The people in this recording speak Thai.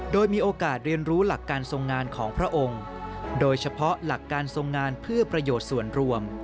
โดยมีโอกาสเรียนรู้หลักการทรงงานของพระองค์โดยเฉพาะหลักการทรงงานเพื่อประโยชน์ส่วนรวม